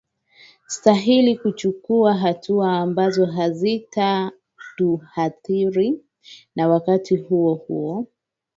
stahili kuchukuwa hatua ambazo hazitatuadhiri na wakati huo huo